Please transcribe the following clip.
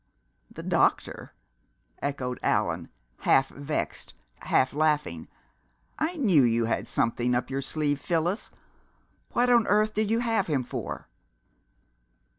"The doctor!" echoed Allan, half vexed, half laughing. "I knew you had something up your sleeve, Phyllis! What on earth did you have him for?"